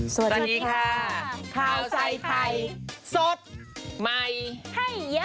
สวัสดีค่ะข้าวใส่ไข่สดใหม่ให้เยอะ